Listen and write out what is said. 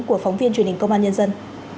của phóng viên truyền hình công an nhân dân